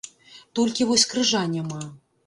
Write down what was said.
Толькі вось крыжа няма.